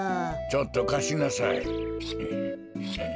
ちょっとかしなさい。